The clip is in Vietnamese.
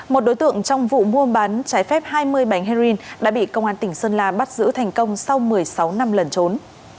một đối tượng trong vụ mua bán trái phép hai mươi bánh heroin đã bị công an tỉnh sơn la bắt giữ thành công sau một mươi sáu năm lần trốn